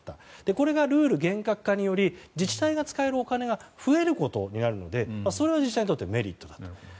これがルール厳格化により自治体が使えるお金が増えることになるのでそれは自治体にとってメリットだと。